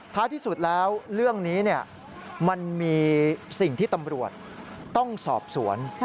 ที่สุดแล้วเรื่องนี้มันมีสิ่งที่ตำรวจต้องสอบสวน